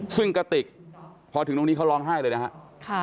ซึ่งกระติกพอถึงตรงนี้เขาร้องไห้เลยนะครับ